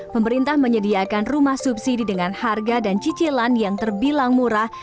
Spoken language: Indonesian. pemerintah menyediakan rumah subsidi dengan harga dan cicilan yang terbilang murah